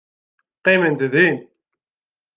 Qqiment din.